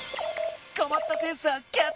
こまったセンサーキャッチ！